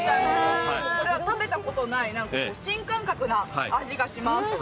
これは食べたことない、新感覚な味がします。